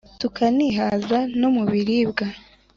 tukanihaza no mu biribwa